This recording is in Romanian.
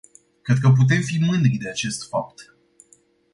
Cred că putem fi mândri de acest fapt.